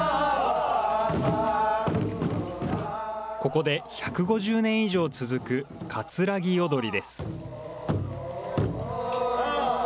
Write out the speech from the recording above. ここで１５０年以上続く葛城踊りです。